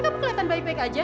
kamu kelihatan baik baik aja